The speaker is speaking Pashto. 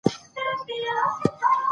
تاسو هم د خپلو ماشومانو سره ملګري شئ.